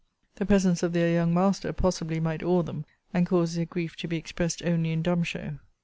The presence of their young master possibly might awe them, and cause their grief to be expressed only in dumb show.